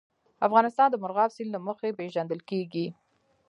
افغانستان د مورغاب سیند له مخې پېژندل کېږي.